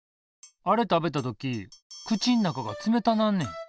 あれ食べた時口ん中が冷たなんねん。